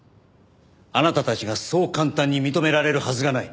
あなたたちがそう簡単に認められるはずがない。